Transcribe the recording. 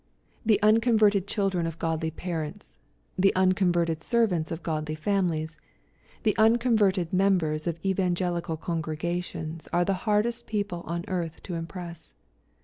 The unconverted 132 EXPOSITORY THOUGHTS. children of godly parents, the unconverted servants of godly families, and the unconverted members of evangelical congregations are the hardest people on earth to impress.